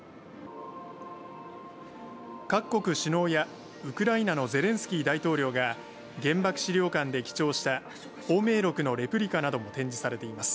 各国首脳や、ウクライナのゼレンスキー大統領が原爆資料館で記帳した芳名録のレプリカなども展示されています。